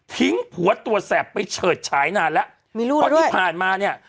ทิ้งผัวตัวแสบไปเฉิดฉายนานแล้วมีรูปด้วยพอที่ผ่านมาเนี้ย